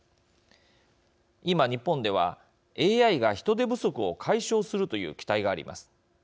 今、日本では、ＡＩが人手不足を解消するという期待があります。